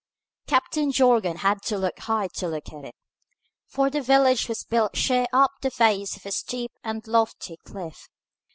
Captain Jorgan had to look high to look at it, for the village was built sheer up the face of a steep and lofty cliff.